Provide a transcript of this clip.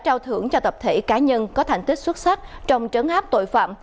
trao thưởng cho tập thể cá nhân có thành tích xuất sắc trong trấn áp tội phạm